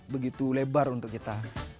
begitu lebar untuk kita